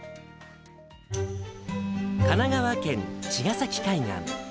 神奈川県茅ヶ崎海岸。